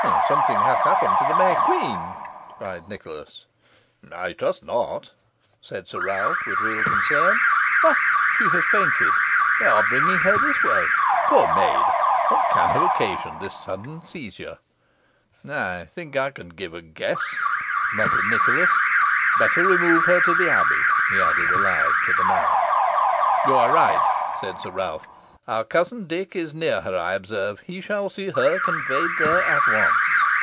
"Something hath happened to the May Queen," cried Nicholas. "I trust not," said Sir Ralph, with real concern. "Ha! she has fainted. They are bringing her this way. Poor maid! what can have occasioned this sudden seizure?" "I think I could give a guess," muttered Nicholas. "Better remove her to the Abbey," he added aloud to the knight. "You are right," said Sir Ralph. "Our cousin Dick is near her, I observe. He shall see her conveyed there at once."